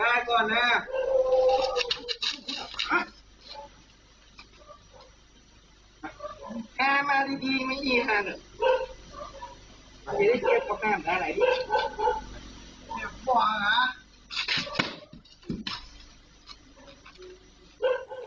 แม่มาดีดีไหมอีฮะเดี๋ยว